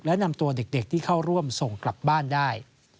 และนำตัวเด็กที่เข้าร่วมส่งกลับบ้านได้